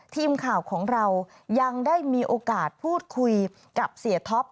ทีมข่าวของเรายังได้มีโอกาสพูดคุยกับเสียท็อป